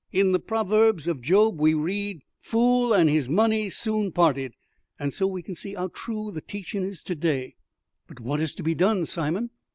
In the Proverbs of Job we read, 'fool and his money soon parted,' and so we can see 'ow true the teachin' is to day." "But what is to be done, Simon?"